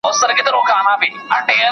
هره شپه چي تېرېده ته مي لیدلې